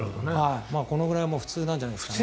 このぐらいは普通なんじゃないですか。